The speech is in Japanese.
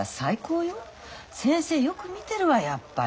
先生よく見てるわやっぱり。